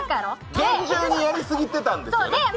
厳重にやり過ぎてたんですよね。